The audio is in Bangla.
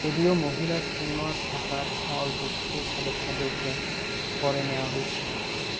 যদিও মহিলা সৈন্য শাখার অল্প কিছু সদস্যদেরকে পরে নেওয়া হয়েছিলো।